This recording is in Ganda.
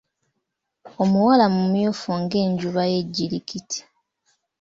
Omuwala mumyufu ng'enjuba y'ejjirikiti.